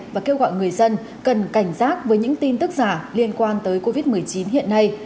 và kêu gọi người dân cần cảnh giác với những tin tức giả liên quan tới covid một mươi chín hiện nay